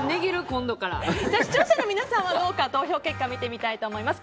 視聴者の皆さんはどうか投票結果を見てみたいと思います。